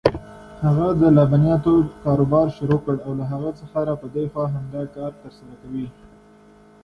He took over the dairy business and has been doing it ever since.